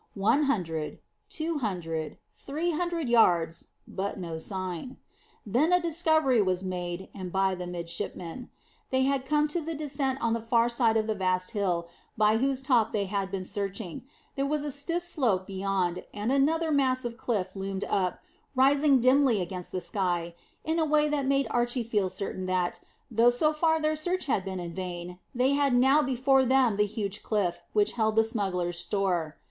One hundred, two hundred, three hundred yards, but no sign. Then a discovery was made, and by the midshipman. They had come to the descent on the far side of the vast hill by whose top they had been searching. There was a stiff slope beyond, and another mass of cliff loomed up, rising dimly against the sky, in a way that made Archy feel certain that, though so far their search had been in vain, they had now before them the huge cliff which held the smugglers' store.